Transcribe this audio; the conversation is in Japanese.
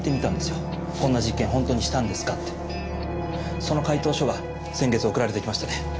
その回答書が先月送られて来ましてね。